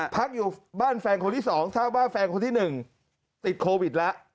พักอยู่บ้านแฟนคนที่๒ทราบว่าแฟนคนที่๑ติดโควิดแล้ว